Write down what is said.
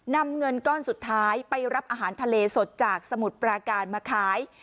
นำเงินก้อนสุดท้ายไปรับอาหารทะเลสดจากสมุทรปราการมาขาย